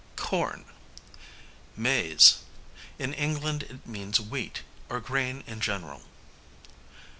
Corn, maize (in England it means wheat, or grain in general).